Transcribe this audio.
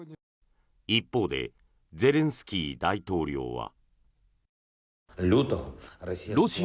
一方でゼレンスキー大統領は。